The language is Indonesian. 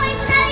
mau mau sayang